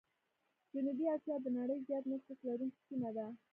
جنوبي آسيا د نړۍ زيات نفوس لرونکي سيمه ده.